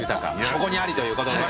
ここにありということで。